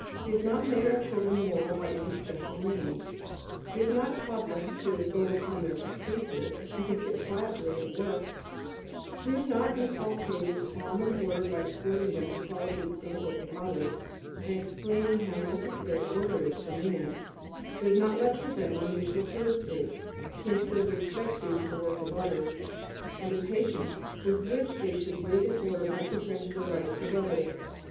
We have not made our children moral by any special means; we have not taught them to "overcome their caprices" and to sit quietly at work; we have not inculcated calm and order by exhorting them to follow the examples of others, and explaining how necessary order is to man; we have not lectured them on mutual courtesy, to instil the respect due to the work of others, and the patience with which they should wait in order not to infringe the rights of others.